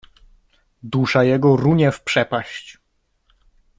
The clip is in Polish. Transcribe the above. Dusza jego runie w przepaść!